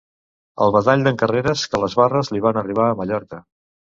El badall d'en Carreres, que les barres li van arribar a Mallorca.